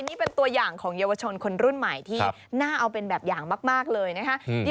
นี่เป็นตัวอย่างของเยาวชนคนรุ่นใหม่ที่น่าเอาเป็นแบบอย่างมากเลยนะคะ